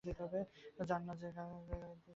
জান না যে-কাজ সে-কাজে কেন হাত দেওয়া।